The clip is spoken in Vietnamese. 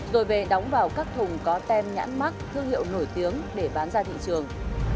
rồi về đóng vào các thùng có tem nhãn mắc thương hiệu nổi tiếng để bán ra thị trường